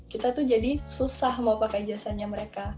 kita tuh jadi susah mau pakai jasanya mereka